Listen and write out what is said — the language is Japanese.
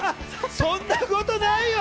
そんなことないよ！